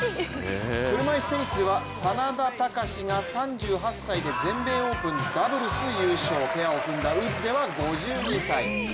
車いすテニスでは眞田卓が３８歳で全米オープンダブルス優勝、ペアを組んだウッデは５２歳。